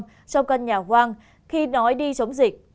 trong cân nhà hoang khi nói đi chống dịch